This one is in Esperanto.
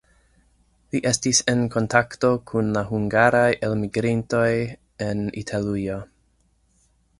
Li estis en kontakto kun la hungaraj elmigrintoj en Italujo.